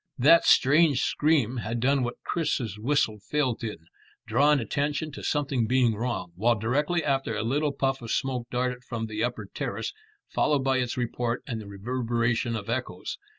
That strange scream had done what Chris's whistle failed in, drawn attention to something being wrong, while directly after a little puff of smoke darted from the upper terrace, followed by its report and the reverberation of echoes.